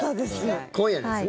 今夜ですね。